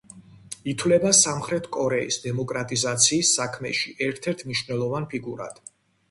ითვლება სამხრეთ კორეის დემოკრატიზაციის საქმეში ერთ-ერთ მნიშვნელოვან ფიგურად.